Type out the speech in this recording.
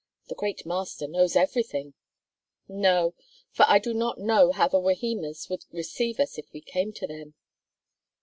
The great master knows everything." "No, for I do not know how the Wahimas would receive us if we came to them."